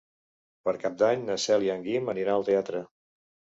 Per Cap d'Any na Cel i en Guim aniran al teatre.